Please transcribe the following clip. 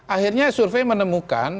akhirnya survei menemukan